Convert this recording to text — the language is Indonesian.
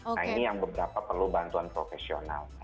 nah ini yang beberapa perlu bantuan profesional